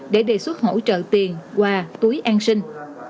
để hỗ trợ tiền quà túi an sinh